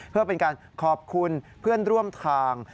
เพื่อเป็นการขอบคุณเพื่อนร่วมทาง